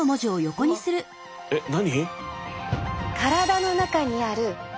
えっ何？